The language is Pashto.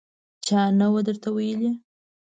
_چا نه و درته ويلي!